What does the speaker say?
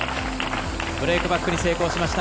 ブレークバックに成功しました。